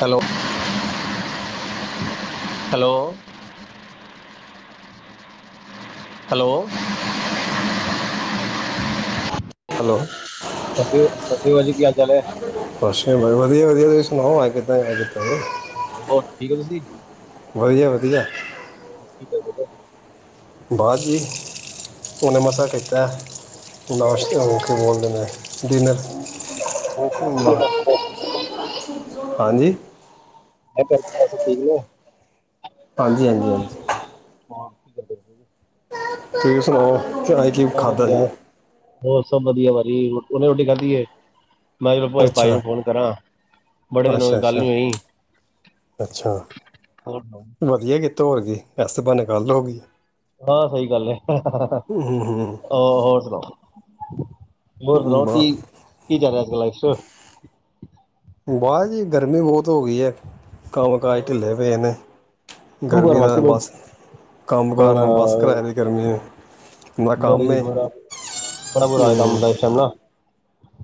Hello, hello. Hello, hello. ਸਤਿ ਸ਼੍ਰੀ ਸਤਿ ਸ਼੍ਰੀ ਅਕਾਲ ਜੀ ਕੀ ਹਾਲ ਚਾਲ ਹੈ ਬਸ ਬਾਈ ਵਧੀਆ-ਵਧੀਆ, ਤੁਸੀ? ਆਗਦਾ ਆ ਤਾਂ [unintelligible] ਹੋਰ ਔ ਠੀਕ ਤੁਸੀਂ? ਵਧੀਆ-ਵਧੀਆ। ਹੋਰ ਕੀ [unintelligible] ਬਾਅਦ ਜੀ ਹੁਣੇ ਮਸਾਂ ਕੀਤਾ। ਨਾਸ਼ਤੇ ਨੂੰ ਕੀ ਬੋਲਦੇ ਨੇ ਡਿਨਰ‌, ਹੋਰ ਮੈਂ ਘਰ ਪਰਿਵਾਰ ਹਾਂਜੀ। [unintelligible] ਹਾਂਜੀ-ਹਾਂਜੀ-ਹਾਂਜੀ। ਹਾਂ ਕੀ ਕਰਦੇ [inaudible] ਤੁਸੀਂ ਸੁਣਾਓ? ਚਾਏ ਚੀਵ ਸਭ ਖਾਧਾ ਵਧੀਆ ਸੀਗਾ। ਹੋਰ ਸਭ ਵਧੀਆ ਵਾਜੀ ਹੁਣੇ ਰੋਟੀ ਖਾਧੀ ਹੈ। ਮੈਂ ਕਿਹਾ ਚਲੋ ਭਾਜੀ ਅੱਛਾ ਨੂੰ ਫੋਨ ਕਰਾਂ ਬੜੇ ਦਿਨ ਹੋਏ ਅੱਛਾ ਗੱਲ ਅੱਛਾ ਨੀ ਹੋਈ ਹੋ। ਤੋਰ [unintelligible] ਸ ਬਾਨੇ ਗੱਲ ਹੋ ਗਈ। ਹਾਂ ਸਹੀ ਗੱਲ ਹੈ, ਹੂੰ ਹੂੰ ਔਰ ਸੁਣਾਓ? ਹੋਰ ਹੂੰ ਸੁਣਾਓ ਬਾ- ਕੀ ਕਿ ਚਲ ਰਿਹਾ ਅੱਜ-ਕਲ ਲਾਈਫ ਚ'? [inaudible] ਬਾਰ ਜੀ ਗਰਮੀ ਬਹੁਤ ਹੋ ਗਈ ਹੈ। ਕੰਮ ਕਾਜ ਢਿੱਲੇ ਪਏ ਨੇ। ਕੰਮ ਕਾਰ ਗਰਮੀ ਦਾ ਵਾਸਤੇ ਬੜਾ ਬਸ ਕੰਮ ਬੜਾ ਕਾਰ ਬੱਸ ਕਰਾਏ ਦੀ ਗਰਮੀ ਨੇ। ਨਾ ਕੰਮ ਬੜੀ ਏ ਬੁਰਾ ਬੜਾ ਬੁਰਾ ਹਾਲ ਹੈ ਕੰਮ‌‌ ਹੂੰ ਦਾ‌‌ ਇਸ ਟਾਈਮ ਨਾ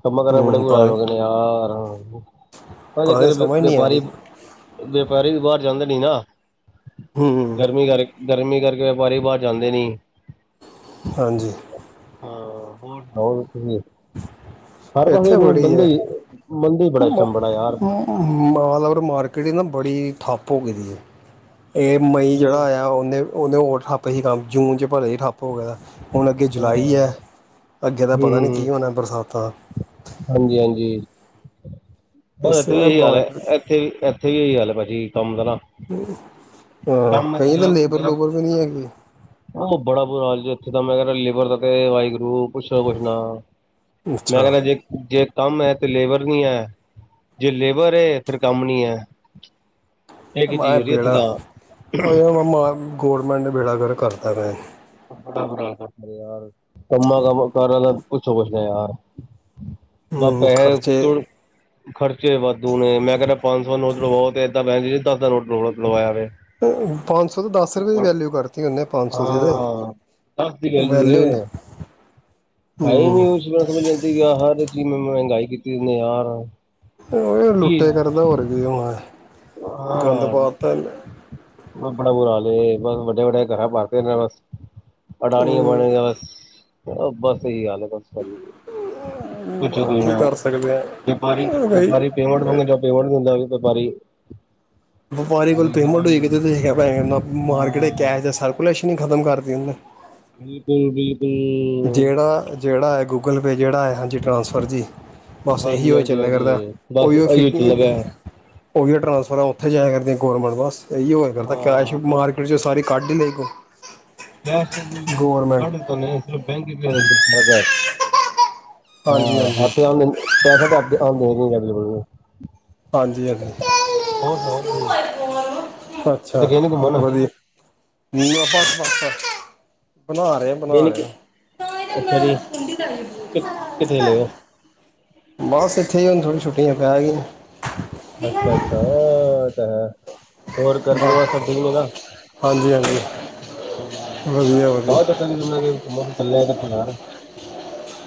ਕੰਮਾਂ ਕਾਰਾ ਦੇ ਬੜੇ ਹੂੰ ਬੁਰੇ ਹਾਲ ਭਾਵੇਂ ਹੋ ਗਏ ਨੇ ਯਾਰ ਹਾਂ ਹਾਂ। ਪਹਿਲੇ ਭਾਵੇਂ ਕਦੇ ਵਪ ਸਮਝ ਨਹੀਂ ਆ ਵਪਾਰੀ ਰਹੀ ਵਪਾਰੀ ਵੀ ਬਾਹਰ ਜਾਂਦੇ ਨੀ ਨਾ। ਹੂੰ ਗਰਮੀ ਕਰਕੇ। ਗਰਮੀ ਕਰਕੇ ਵਪਾਰੀ ਬਾਹਰ ਜਾਂਦੇ ਨੀ। ਹਾਂਜੀ। ਹਾਂ ਹੋਰ ਸੁਣਾਓ ਤੁਸੀਂ। ਹਰ ਪਾਸੇ ਇੱਥੇਂ ਬੜੀ ਬੰਦੇ ਹੈਂ। ਹੀ ਮੰਦੇ ਹੀ ਬੜਾ ਇਸ ਟਾਈਮ ਬੜਾ ਯਾਰ ਮਾਲਵਰ ਮਾਰਕੀਟ ਏਂ ਨਾ ਬੜੀ। ਠੱਪ ਹੋ ਗਈ ਦੀ ਏ। ਇਹ ਮਈ ਜਿਹੜਾ ਆਇਆਂ ਉਹਨੇ। ਉਦੋਂ ਉਹ ਠੱਪ ਸੀ ਹੀ ਕੰਮ, ਜੂਨ ਚ ਪਰ ਇਹ ਠੱਪ ਹੋ ਗਿਆ। ਹੁਣ ਅੱਗੇ ਜੁਲਾਈ ਐਂ, ਹੂੰ ਅੱਗੇ ਤਾਂ ਪਤਾਂ ਨੀਂ ਕੀ ਹੋਣਾਂ ਬਰਸਾਤਾਂ। ਹਾਂਜੀ-ਹਾਂਜੀ। ਇਸ ਇੱਥੇ ਵੀ ਇਹੀ ਹਾਲ ਐਂ, ਮਾਰਕੀਟ ਇੱਥੇ ਵੀ ਇੱਥੇ ਵੀ ਇਹੀ ਹਾਲ ਐਂ ਭਾਜੀ। ਕੰਮ ਕਰਾਂ। ਹਾਂ ਕਈ ਤਾਂ ਲੇਬਰ ਜਿਹੜਾ ਲੂਬਰ ਵੀ ਨੀਂ ਹੈਗੀ। ਕੁਛ ਤਾਂ ਮੈਂ ਕਿਹਾ ਲੇਬਰ ਦਾ ਪਵੇ ਵਾਹਿਗੁਰੂ ਕੁਛ ਨਾ ਕੁਛ ਨਾ। ਅੱਛਾ ਮੈਂ ਕਹਿੰਦਾਂ ਜੇ, ਜੇ ਕੰਮ ਹੈਂ ਤੇ ਲੇਬਰ। ਨੀ ਐਂ, ਜੇ ਲੇਬਰ ਹੈ ਫਿਰ ਕੰਮ ਨੀ ਹੈ। ਮਾਏ ਬੇਹੜਾ, ਉਹ ਗੋਰਮੈਂਨਟ ਨੇਂ ਬੇਹੜਾ ਕਰਕ ਕਰਤਾ ਪਿਆ। ਉਹ ਯਾਰ ਕੰਮਾਂ ਕੰਮ ਕਾਰਾ ਦਾ ਪੁੱਛੋ ਕੁਛ ਨਾ ਯਾਰ। ਬਾਹ ਹੂੰ ਪੈਸੇ ਖਰਚੇ ਤੁੜਨ ਖ਼ਰਚੇ ਵਾਧੂ ਨੇਂ ਮੈਂ ਕਹਿੰਦਾਂ ਪੰਜ ਸੌ ਨੋਟ ਲਵੋ ਤੇ ਏਦਾਂ ਪੈਦਾ ਜਿੰਦਾਂ ਦੱਸ ਦਾ ਨੋਟ ਲਵਾਇਆ ਪਿਆ। ਪੰਜ ਸੌ ਤੋਂ ਦਸ ਰੁਪਏ ਦੀ ਵੈਲਿਊ ਕਰਤੀ ਉਹਨੇ। ਪੰਜ ਸੌ ਦੀ ਤੇ, ਹਾਂ ਦਸ ਦੀ ਵੈਲੂ ਏ ਵੈਲਿਊ ਨੀ। ਹੈ ਨੀ ਕੁਛ [unintelligible] ਗਿਆ ਹੈ ਤੇ। ਜਿਵੇਂ ਮਹਿਗਾਈ ਕੀਤੀ ਏਨੇ ਯਾਰ। ਉਹ ਕੀ ਲੁੱਟੇ ਕਰਦਾਂ, ਹੋਰ ਕੀ ਹੋਣਾਂ, ਗੰਦ ਪਾ ਤਾਂ ਇਹਨੇ। ਬਸ ਬੜਾ ਬੁਰਾ ਹਾਲ ਐਂ, ਬਸ ਵੱਡੇ ਵੱਡੇ ਘਰ ਭਰਦੇ ਨੇਂ ਬਸ। ਅਟਾਣੀਆਂ ਹੂੰ ਬਾਣੀਆਂ ਬਸ। ਉਹ ਬਸ ਇਹੀ ਹਾਲ ਐਂ। ਕੀ ਕਰ ਸਕਦੇ ਆ ਬਈ ਵਪਾਰੀ ਪੇਮੈਨਟ ਮੰਗਦਾਂ, ਪੇਮੈਨਟ ਨੀਂ ਦਿੰਦਾ ਬਈ। ਵਪਾਰੀ। ਵਪਾਰੀ ਕੋਲ ਪੇਮੈਂਟ ਹੋਈ ਗੀ ਤੇ ਮੈਂ ਕੀ ਕਿਹਾਂ ਨਾਂ ਮਾਰਕਿਟ ਹਾਂ ਕੈਸ਼ ਦਾ ਸਰਕੂਲੇਸ਼ਨ ਹੀ ਖ਼ਤਮ ਕਰ [inaudible] [inaudible] ਜਿਹੜਾ ਜਿਹੜਾ ਹੈ ਗੂਗਲ ਪੇ ਜਿਹੜਾ ਹੈ ਹਾਂਜੀ ਟਰਾਂਸਫਰ ਜੀ। ਬਸ ਇਹੀ ਹਾਂਜੀ, ਉਹ ਹਾਂਜੀ, ਚੱਲਿਆ ਕਰਦਾ ਹਾਂਜੀ, ਬਸ ਉਹੀਓ ਫਿ ਅਹੀਓ ਚੱਲ ਰਿਹਾ। ਉਹੀ ਟਰਾਂਸਫਰ ਹੈ ਉੱਥੇ ਜਾ ਕਰਦੀਆਂ ਗੌਰਮੈਂਟ ਬਸ, ਇਹੀਓ ਹੋਇਆ ਕਰਦਾ ਕੈਸ਼ ਹਾਂ ਮਾਰਕੀਟ ਚੋ ਸਾਰੀ ਕੱਡ ਈ ਲੀ [unintelligible] [unintelligible] ਕੈਸ਼ ਹਾਂ ਹਾਂਜੀ ਹਾਂਜੀ ਹਫਤੇ [unintelligible] ਆਂਦੇ ਹੈਗੇ ਹਾਂਜੀ ਹਾਂਜੀ ਹੋਰ ਸੁਣਾਓ ਤੁਸੀਂ ਕਿਤੇ ਅੱਛਾ ਗਏ ਨੀ ਘੁੰਮਣ ਵਧੀਆ [unintelligible] ਬਣਾ ਰਿਹਾ ਗਏ ਬਣਾ ਨੀ ਕਿ ਰਿਹਾ ਅੱਛਾ ਜੀ ਕਿ ਕਿੱਥੇ ਚਲੇ ਹੋ ਬਸ ਇੱਥੇ ਹੀ ਹੁਣ ਥੋੜ੍ਹੀ ਛੁੱਟੀਆਂ ਪੈ ਗਈ ਅੱਛਾ ਅੱਛਾ ਤਾਂ ਹੋਰ ਘਰ ਬ ਪਰਿਵਾਰ ਸਭ ਠੀਕ ਨੇਗਾ ਹਾਂਜੀ ਹਾਂਜੀ ਵਧੀਆ ਵਧੀਆ ਇਕੱਲੇ ਕਿੱਥੇ ਯਾਰ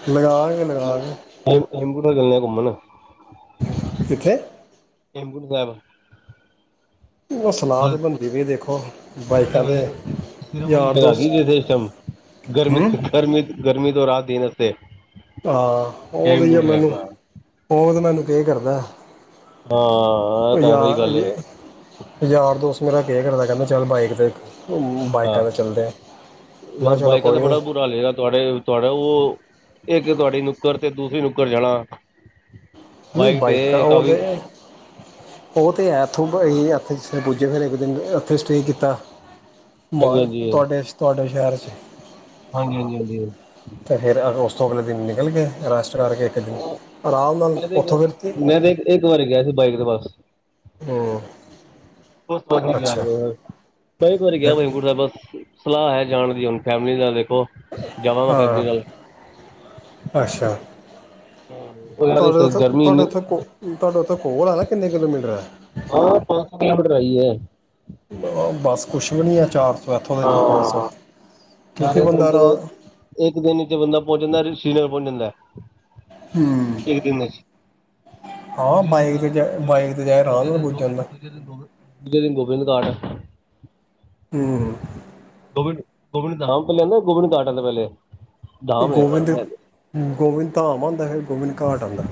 ਲਗਾਗੇ ਲਗਾ ਕੇ [unintelligible] ਚੱਲਦੇ ਹਾਂ ਘੁੰਮਣ ਕਿੱਥੇ ਹੇਮਕੁੰਟ ਸਾਹਿਬ ਸਲਾਹ ਬਸ ਤਾਂ ਬਣਦੀ ਪਈ ਦੇਖੋ ਉਹ ਬਾਈਕਾਂ 'ਤੇ [unintelligible] ਯਾਰ ਦੋਸਤ ਗਰਮੀ ਹੂੰ ਗਰਮੀ ਗਰਮੀ ਤੋਂ ਰਾਹਤ ਦੇਣ ਵਾਸਤੇ ਤੇ ਹਾਂ ਉਹ ਤੇ [unintelligible] ਮੈਨੂੰ ਉਹ ਤੇ ਮੈਨੂੰ ਪੇ ਕਰਦਾ ਹਾਂ, ਇਹ ਤਾਂ ਸਹੀ ਯਾਰ ਗੱਲ ਏ ਯਾਰ ਦੋਸਤ ਮੇਰਾ [unintelligible] ਕਹਿੰਦੇ ਚੱਲ ਬਾਈਕ ਤੇ ਅਮ, ਅੱਛਾ ਬਾਈਕਾਂ ਤੇ ਚੱਲਦੇ ਆ ਮੈਂ ਕਿਹਾ ਯਾਰ ਚਲੋ ਬਾਈਕਾਂ ਤੇ ਕੋਈ ਨਹੀਂ ਬੜਾ ਬੁਰਾ ਲੇਗਾ ਤੁਹਾਡੇ ਤੁਹਾਡਾ ਉਹ ਇੱਕ ਤੁਹਾਡੀ ਨੁੱਕਰ ਤੇ ਦੂਸਰੀ ਨੁੱਕਰ ਜਾਣਾ ਨਹੀਂ ਤੇ ਬਾਈਕ ਤਾਂ ਉਹ ਕਾਫੀ ਤੇ ਉਹ ਤੇ ਹੈ ਉੱਥੋਂ ਜ ਪੁੱਜੇ ਫਿਰ ਇੱਕ ਦਿਨ ਉੱਥੇ ਸਟੇਅ ਕੀਤਾ ਹਾਂਜੀ ਹਾਂਜੀ [unintelligible] ਤੁਹਾਡੇ ਤੁਹਾਡੇ [unintelligible] ਹਾਂਜੀ, ਹਾਂਜੀ ਹਾਂਜੀ ਹਾਂ ਉਹ ਅਗਲੇ ਦਿਨ ਨਿਕਲ ਗਏ ਰਸ਼ ਮੈਂ ਤੇ ਇੱਕ ਵ ਮੈਂ ਤੇ ਇੱਕ ਇੱਕ ਵਾਰ ਗਿਆ ਸੀ ਬਾਈਕ ਤੇ ਬਸ ਹੂੰ ਕਈ ਅੱਛਾ ਵਾਰੀ ਗਿਆ ਫਿਰ [unintelligible] ਬਸ ਸਲਾਹ ਹੈ ਜਾਣ ਦੀ ਹੁਣ ਫੈਮਿਲੀ ਨਾਲ ਦੇਖੋ ਜਾਵਾਂ ਗਾ ਫੈਮਿਲੀ ਹਾਂ ਨਾਲ ਅੱਛਾ ਉਹ ਯਾਰ ਉਥੇ ਗਰਮੀ ਇੰਨੀ ਉਥੇ ਕੋਲ ਆ ਨਾ ਕਿੰਨੇ ਕਿਲੋਮੀਟਰ ਐ ਹਾਂ [unintelligible] ਬਸ ਕੁਛ ਵੀ ਨਹੀਂ ਏ ਚਾਰ ਹਾਂ ਕਿਉਂਕਿ ਨਾਲੇ ਇੱਕ ਬੰਦਾ ਰਾ ਦਿਨ ਇੱਕ ਦਿਨ ਚ ਬੰਦਾ ਪਹੁੰਚ ਜਾਂਦਾ ਸ਼੍ਰੀਨਗਰ ਪਹੁੰਚ ਜਾਂਦਾ ਹੂੰ ਇੱਕ ਦਿਨ ਵਿੱਚ ਹਾਂ ਦੂਜੇ ਦਿਨ ਬਾਈਕ ਤੇ ਜਾ ਦੂ ਦੂਜੇ ਬਾਈਕ ਤੇ ਜਾਏ ਆਰਾਮ ਨਾਲ ਦਿਨ ਪੁੱਜ ਜਾਂਦਾ। ਦੂਜੇ ਦਿਨ ਗੋ ਦੂਜੇ ਦਿਨ ਗੋਬਿੰਦਗੜ੍ਹ ਹੂੰ ਗੋਬਿੰਦ ਗੋਬਿੰਦ ਧਾਮ ਪਹਿਲੇ ਆਦਾ ਗੋਬਿੰਦ ਦਾ ਘਾਟ ਆਂਦਾ ਪਹਿਲੇ ਧਾਮ ਹੈ ਗੋਬਿੰਦ ਗੋਬਿੰਦ ਧਾਮ ਆਂਦਾ ਫੇਰ ਗੋਬਿੰਦ ਘਾਟ ਆਂਦਾ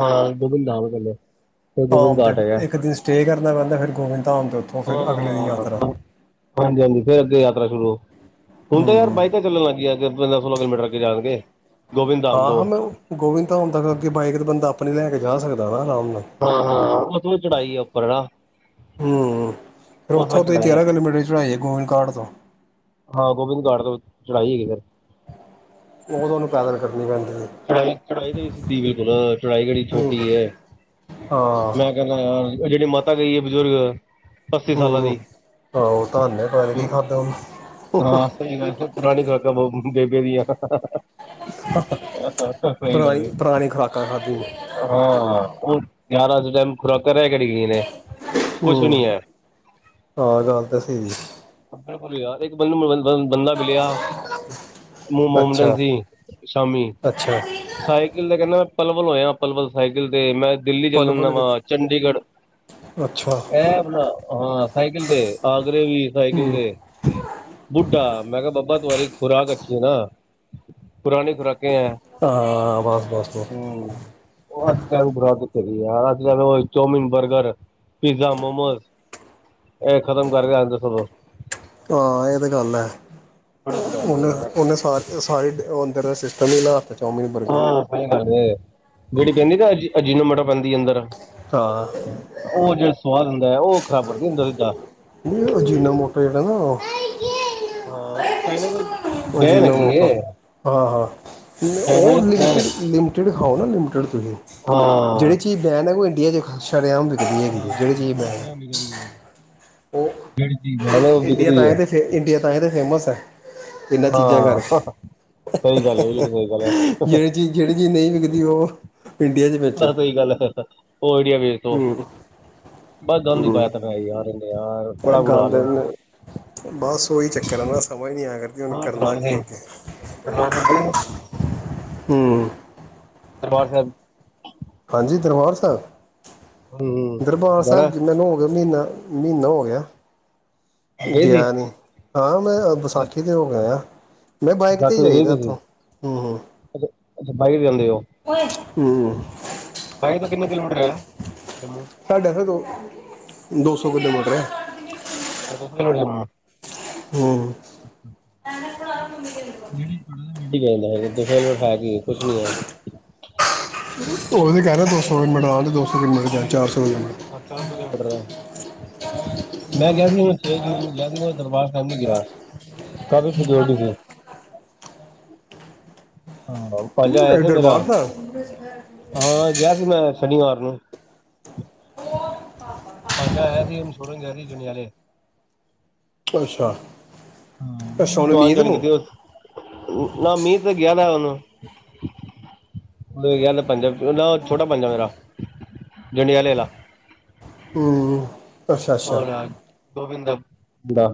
ਹਾਂ ਗੋਬਿੰਦ ਧਾਮ ਏ ਪਹਿਲੇ ਫਿਰ ਧਾਮ ਗੋਬਿੰਦ ਤੇ ਘਾਟ ਫਿਰ ਹੈਗਾ ਇੱਕ ਦਿਨ ਸਟੇਅ ਕਰਨਾ ਪੈਂਦਾ ਫਿਰ ਗੋਬਿੰਦ ਧਾਮ ਤੇ ਉੱਥੋਂ ਫਿਰ ਅਗਲੇ ਦਿਨ ਯਾਤਰਾ ਹਾਂਜੀ ਹਾਂਜੀ ਫਿਰ ਅੱਗੇ ਯਾਤਰਾ ਸ਼ੁਰੂ ਹੁਣ ਤਾਂ ਯਾਰ ਹੂੰ। ਬਾਈਕਾਂ ਚੱਲਣ ਲੱਗਈਆ ਪੰਦਰਾਂ ਸੋਲਾਂ ਕਿਲੋਮੀਟਰ ਅੱਗੇ ਜਾਣਗੇ ਗੋਬਿੰਦ ਧਾਮ ਹਾਂ ਤੋਂ ਹਾਂ ਮੈਂ ਉਹ ਗੋਵਿੰਦ ਧਾਮ ਤੱਕ ਅੱਗੇ ਬਾਈਕ ਤੇ ਬੰਦਾ ਆਪਾਂ ਨੂੰ ਲੈ ਕੇ ਜਾ ਸਕਦਾ ਨਾ ਨਾਲ ਹਾਂ ਹਾਂ [unintelligible] ਚੜਾਈ ਆ ਉੱਪਰ ਨਾ ਹੂੰ। ਫਿਰ ਉੱਥੋਂ ਤੁਸੀ ਤੇਰਾਂ ਕਿਲੋਮੀਟਰ ਦੀ ਚੜਾਈ ਏ ਗੋਵਿੰਦ ਘਾਟ ਤੋਂ ਹਾਂ ਗੋਬਿੰਦ ਘਾਟ ਤੋਂ ਚੜਾਈ ਹੈਗੀ ਫਿਰ ਉਹ ਤੁਹਾਨੂੰ ਪੈਦਲ ਕਰਨੀ ਪੈਂਦੀ ਏ। ਚੜਾਈ ਚੜਾਈ ਦੇ ਵੀ ਸਿੱਧੀ ਬਿਲਕੁਲ ਚੜਾਈ ਕਿਹੜੀ ਹਾਂ ਛੋਟੀ ਹੈ ਮੈਂ ਕਹਿੰਦਾ ਯਾਰ ਉਹ ਜਿਹੜੀ ਮਾਤਾ ਗਈ ਏ ਬਜ਼ੁਰਗ ਅੱਸੀ ਸਾਲਾਂ ਹੂੰ। ਦੀ ਆਹੋ ਧੰਨ ਏ ਪਤਾ ਨੀ ਕੀ ਖਾਧਾ ਉਹਨੇ ਹਾਂ ਸਹੀ ਗੱਲ ਫੇਰ ਪੁਰਾਣੀ ਖੁਰਾਕਾਂ ਬਹੁਤ ਬੇਬੇ ਦੀਆ ਸਹੀ ਗੱਲ ਪੁਰਾਣੀ ਏ ਪੁਰਾਣੀ ਖੁਰਾਕਾਂ ਖਾਧੀ। ਹਾਂ ਹੁਣ ਗਿਆਰਾਂ [unintelligible] [unintelligible] ਗਈ ਕੁਛ ਵੀ ਨੀ ਹੂੰ। ਐ ਹਾਂ ਗੱਲ ਤਾਂ ਸਹੀ ਜੀ। [unintelligible] ਬੰਦਾ ਮਿਲਿਆ ਮਮ ਮੋਮਡਨ ਅੱਛਾ ਸੀ ਸ਼ਾਮੀ ਅੱਛਾ ਸਾਈਕਲ ਦੇ ਕਹਨਾ ਪਲਵਲ ਹੋਇਆ ਪਲਵਲ ਸਾਈਕਲ ਤੇ ਮੈਂ ਦਿੱਲੀ ਪਲ ਚੱਲਣ ਪਲ ਨਵਾਂ ਚੰਡੀਗੜ੍ਹ ਅੱਛਾ ਇਹ ਆਪਣਾ ਹਾਂ ਸਾਈਕਲ ਤੇ ਆਗਰੇ ਵੀ ਸਾਈਕਲ ਹੂੰ ਤੇ ਬੁੱਢਾ ਮੈਂ ਕਿਹਾ ਬਾਬਾ ਬੱਸ ਓਹੀ ਖੁਰਾਕ ਅੱਛੀ ਹੈ ਨਾ ਪੁਰਾਣੀ ਖੁਰਾਕ। ਹਾਂ ਬਸ ਬਸ ਬਸ ਹੂਂ, ਉਹ ਅੱਜ ਕੱਲ ਅੱਜ ਕਲ ਉਹ ਚੋਮੀਣ, ਬਰਗਰ, ਪੀਜ਼ਾ, ਮੋਮੋਸ ਏ ਖਤਮ ਕਰ ਕੇ ਆਂਦੇ ਸਗੋਂ। ਹਾਂ ਇਹ ਤੇ ਗੱਲ ਹੈ। ਨ ਉਹਨੇ ਸ ਸਾਰੇ ਅੰਦਰ ਦਾ ਸਿਸਟਮ ਹੀਲਾ [unintelligible] ਜਿਹਨੂੰ ਮੋੜਾ ਪੈਂਦੀ ਹੈ ਅੰਦਰ। ਹਾਂ। ਉਹ ਜਿਹੜਾ ਸਵਾਦ ਹੁੰਦਾ ਉਹ ਖਰਾਬ ਕਰਦਾ ਅੰਦਰ ਸਿੱਧਾ। ਅਜੀਨਾ ਮੋਟਾ ਜਿਹੜਾ ਨਾ ਔ ਹਾਂ। ਅਜੀਨੋ ਮੋਟਾ ਹਾਂ-ਹਾਂ ਚਾਈਨਾ ਉਹ ਦੀ ਤਾਂ ਬੈਨ ਲਿਮਿਟਡ ਹੈਗੀ ਲਿਮਿਟਡ ਖਾਓ ਨਾ ਲਿਮਿਟਡ ਹਾਂ ਜਿਹੜੀ ਚੀਜ਼ ਬੈਨ ਹੈ ਉਹ ਇੰਡੀਆ ਚ ਸ਼ਰੇਆਮ ਵਿਕਦੀ ਹੈਗੀ ਜਿਹੜੀ ਹਾਂ ਚੀਜ਼ ਉਹ ਬੈਨ ਹੈ ਤਰ੍ਹਾਂ ਨਿਕਦੀ ਹੈ ਉਹ ਜਿੜੀ ਇੰਡੀਆ ਤਾਂ ਹੀ ਤੇ, ਇੰਡੀਆ ਤਏ ਤੇ ਫੇਮਸ ਹੈ। ਇਹਨਾਂ ਚੀਜ਼ਾਂ ਕਰ ਹਾਂ ਸਹੀ ਗੱਲ ਹੈ ਬਿਲਕੁਲ ਸਹੀ ਗੱਲ ਹੈ ਜਿਹੜੀ ਚੀਜ਼, ਜਿਹੜੀ ਚੀਜ਼, ਨਹੀਂ ਵਿਕਦੀ ਉਹ ਇੰਡੀਆ 'ਚ ਵੇਚੋ। ਸਹੀ ਗੱਲ ਹੈ। ਉਹ ਵਿਡੀਆ ਵੇਖ ਲੋ, ਹੂੰ ਬਸ ਗੰਦ ਹੂੰ ਪਾਇਆ ਦਾ ਯਾਰ ਇਹਨੇ ਯਾਰ ਇਹ ਬੜਾ ਬੁਰਾ ਹਾਲ ਗੰਦ ਇਹ ਬਸ ਉਹੀ ਚੱਕਰ ਹੈ ਨਾ ਸਮਝ ਨਹੀਂ ਆਇਆ ਕਰਦੀ, ਹੁਣ ਕਰਨਾ ਕੀ ਅੱਗੇ। ਹੂ ਬੱਸ ਹਾਂਜੀ ਦਰਬਾਰ ਸਾਹਿਬ। ਹੂੰ ਹੂੰ ਦਰਬਾਰ ਸਾਹਿਬ ਜਾਣਾ ਜੀ ਮੈਨੂੰ ਹੋ ਗਿਆ ਮਹੀਨਾ ਮਹੀਨਾ ਹੋ ਗਿਆ। ਗਏ ਸੀ ਗਿਆ ਨੀ ਹਾਂ ਮੈਂ ਅੱਛਾ ਵਿਸਾਖੀ ਤੇ ਹੋ ਆਇਆ। ਮੈਂ ਬਾਈਕ ਤੇ ਕਾਕੇ ਦੇ ਗਏ ਜਾਈਦਾ ਤੁਸੀਂ ਉੱਥੋਂ ਹੂੰ ਹੂੰ ਅੱਛਾ ਅੱਛਾ ਬਾਈਕ ਤੇ ਹੂੰ ਬਾਈਕ ਤੇ ਕਿੰਨੇ ਕਿਲੋਮੀਟਰ ਐ ਸਾਡਾ ਫਿਰ ਦੋ ਦੋ ਸੌ ਕਿਲੋਮੀਟਰ ਹੈ [inaudible] ਹੂੰ [unintelligible] ਕੁਛ ਨੀ ਹੋਇਆ ਓਹੀ ਕਹਿ ਰਿਹਾ ਦੋ ਸੌ [unintelligible] ਦੋ ਸੌ [unintelligible] ਚਾਰ ਸੌ ਕਿਟ ਚਾਰ ਸੌ ਕਿਲੋਮੀਟਰ ਮੈਂ ਗਿਆ ਸੀ ਸੀ ਛੇ ਜੂਨ ਨੂੰ ਗਿਆ ਸੀ ਦਰਬਾਰ ਸਾਹਿਬ ਨੀ ਗਿਆ ਕਾਫੀ ਸਿਓਰਟੀ ਸੀ ਹਾਂ ਬੋ ਭਾਣਜਾ ਆਇਆ ਸੀ ਇਧਰ ਮੇਰਾ ਬਾਹਰ ਦਾ ਹਾਂ ਗਿਆ ਸੀ ਮੈਂ ਸ਼ਨੀਵਾਰ ਮਾਰ ਨੂੰ ਭਾਣਜਾ ਆਇਆ ਸੀ ਉਹਨੂੰ ਛੋੜਨ ਗਿਆ ਸੀ ਜਨਿਆਲੇ ਅੱਛਾ ਅੱਛਾ ਉਹਨੇ ਆਣ ਮੀਤ ਜਾਣ ਨੂੰ ਕੀਤੀ ਬੱਸ ਮੀਤ ਤੇ ਗਿਆ ਦਾ ਉਹਨੂੰ ਓਹੀ ਗੱਲ ਛੋਟਾ ਭਾਣਜਾ ਮੇਰਾ ਜੰਡਿਆਲਾ ਵਾਲਾ ਹੂੰ ਅੱਛਾ ਅੱਛਾ ਔਰ ਗੋਬਿੰਦ ਦਾ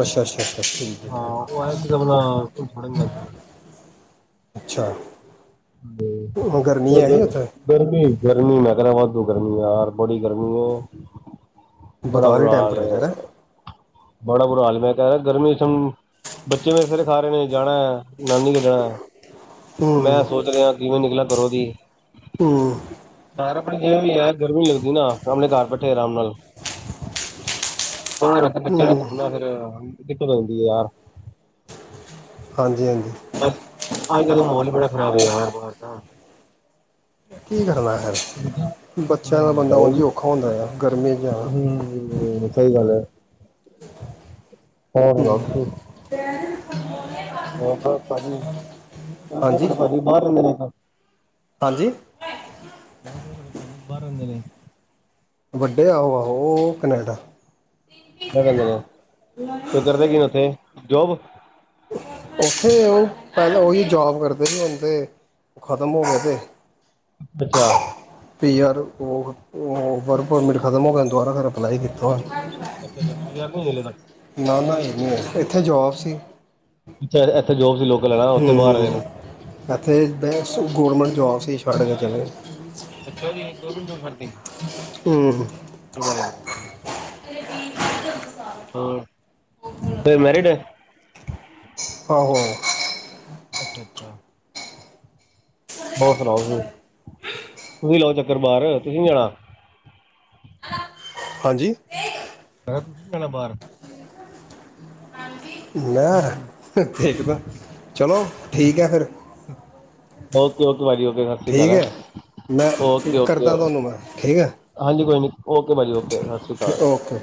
ਅੱਛਾ ਅੱਛਾ-ਅੱਛਾ ਠੀਕ ਹੈ ਉਹ ਆਇਆ ਸੀਗਾ ਆਪਣਾ ਉਹਨੂੰ ਛੋੜਨ ਗਿਆ ਸੀਗਾ। ਠੀਕ ਅੱਛਾ ਗਰਮੀ ਹੈ ਹੀ ਉੱਥੇ ਗਰਮੀ-ਗਰਮੀ ਮੈਂ ਕਹਿਣਾ ਵਾਧੂ ਗਰਮੀਆਂ ਯਾਰ ਬੜੀ ਗਰਮੀ ਹੈ ਬੜਾ ਬਤਾਲੀ ਬੁਰਾ ਹਾਲ ਟੈਂਪਰੇਚਰ ਹੈ ਬੜਾ ਬੁਰਾ ਹਾਲ ਮੈਂ ਕਹਿ ਰਿਹਾ ਗਰਮੀ ਵਿੱਚ ਥੋਨੂੰ ਬੱਚੇ ਮੇਰਾ ਸਿਰ ਖਾ ਰਹੇ ਨੇ ਜਾਣਾ ਹੈ ਨਾਨੀ ਕੇ ਜਾਣਾ ਹੈ ਮੈਂ ਹੂੰ ਸੋਚ ਰਿਹਾ ਕਿਵੇਂ ਨਿਕਲਾ ਘਰੋ ਦੀ ਹੂੰ ਆਪਣੀ ਜਿਵੇਂ ਹੈ ਗਰਮੀ ਨੀ ਲੱਗਦੀ ਨਾ ਆਪਣੇ ਘਰ ਬੈਠੇ ਆਰਾਮ ਨਾਲ [unintelligible] ਫੇਰ ਹੂੰ ਦਿੱਕਤ ਆਦੀ ਆ ਯਾਰ ਹਾਂਜੀ-ਹਾਂਜੀ ਅੱਜ ਕਲ੍ਹ ਦਾ ਮਾਹੌਲ ਹੀ ਬੜਾ ਖ਼ਰਾਬ ਹੋਗਿਆ ਬਾਹਰ ਤਾਂ [unintelligible] ਬੱਚਿਆਂ ਦਾ ਬੰਦਾ ਉੰਜ ਹੀ ਔਖਾ ਹੁੰਦਾ ਆ ਗਰਮੀ 'ਚ ਜਾਣਾ ਹੂੰ ਸਹੀ ਗੱਲ ਹੈ ਹੋਰ ਹੂੰ ਸੁਣਾਓ ਹੋਰ ਬਸ ਭਾਜੀ- ਹਾਂਜੀ [unintelligible] ਹਾਂਜੀ ਬਾਹਰ ਰਹਿੰਦੇ ਨੇ ਜੀ ਵੱਡੇ ਆ ਉਹ ਆਹੋ ਉਹ ਕਨੇਡਾ ਦਰ ਤੂੰ ਕਰਦਾ ਕੀ ਉੱਥੇ? ਜੋਬ? ਉੱਥੇ ਉਹ ਪਹਿਲਾਂ ਹੀ ਜਾਬ ਕਰਦੇ ਸੀ ਹੁਣ ਤੇ ਖਤਮ ਹੋ ਗਿਆ ਦੇ ਅੱਛਾ, ਯਾਰ ਵਰਕ ਪਰਮਿਟ ਖਤਮ ਹੋ ਗਿਆ ਦੁਬਾਰਾ ਫੇਰ ਅਪਲਾਈ ਕੀਤਾ ਹੋਇਆ। ਅੱਛਾ-ਅੱਛਾ ਪੀਆਰ ਨਹੀਂ ਹੈਗੇ ਹਜੇ। ਨਾ ਨਾ ਇਹ ਇੱਥੇ ਜੋਬ ਸੀ। ਇੱਥੇ ਜੋਬ ਸੀ ਲੋਕ, ਹੂੰ-ਹੂੰ, ਇੱਥੇ ਗੌਰਮੈਂਟ ਜੋ ਅਸੀਂ ਛੱਡ ਕੇ ਚਲੇ, ਅੱਛਾ ਜੀ ਦੋ ਮਿੰਟ ਖੜਜੋ, ਤੇ, ਹੂੰ, [unintelligible] ਹੋਰ ਤੇ ਮੈਰਿਡ ਐ? [unintelligible] ਅੱਛਾ, ਅੱਛਾ, ਹੋ ਸੁਣਾਓ ਤੁਸੀਂ ਤੁਸੀਂ ਲਾਓ ਚੱਕਰ ਬਾਹਰ ਤੁਸੀਂ ਜਾਣਾ? ਹਾਂਜੀ, ਮੈਂ ਕਿਹਾ ਤੁਸੀਂ ਨਹੀਂ ਆਣਾ ਬਾਹਰ ਮੈਂ, ਵੇਖਦਾ, ਚਲੋ ਠੀਕ ਹੈ ਫਿਰ ਓਕੇ ਓਕੇ ਭਾਜੀ ਓਕੇ ਸਤਿ ਸ਼੍ਰੀ ਅਕਾਲ ਠੀਕ ਹੈਂ ਹੈ ਮੈਂ ਓਕੇ ਓਕੇ ਕਰਦਾ ਤੁਹਾਨੂੰ ਮੈਂ ਠੀਕ ਹੈ ਹਾਂਜੀ ਕੋਈ ਨਹੀਂ ਓਕੇ ਭਾਜੀ ਓਕੇ ਸਤਿ ਸ਼੍ਰੀ ਅਕਾਲ ਓਕੇ,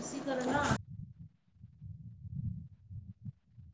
ਤੁਸੀਂ ਕਰਨਾ